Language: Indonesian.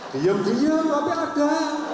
diam diam tapi ada